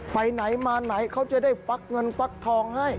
ไปไหนมาไหนเขาจะได้ฟักเงินฟักทองให้